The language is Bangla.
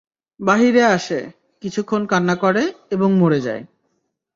বাহিরে আসে, কিছুক্ষণ কান্না করে এবং মরে যায়।